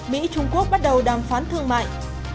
mỹ trung quốc bắt đầu đàm phán thương mại